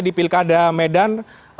di pilkada medan